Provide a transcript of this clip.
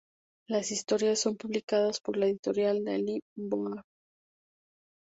Las historias son publicadas por la editorial Le Lombard.